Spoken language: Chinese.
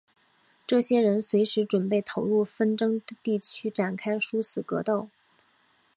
这些人随时准备投入纷争地区展开殊死格斗。